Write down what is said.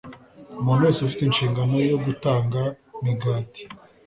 Umuntu wese ufite inshingano yo gutanga migati